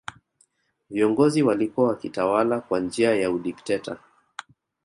viongozi walikuwa wakitawala kwa njia ya udikteta